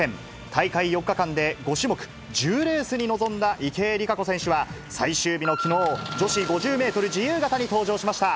大会４日間で５種目１０レースに臨んだ池江璃花子選手は、最終日のきのう、女子５０メートル自由形に登場しました。